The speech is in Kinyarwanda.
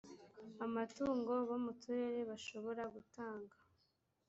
amatungo bo mu turere bashobora gutanga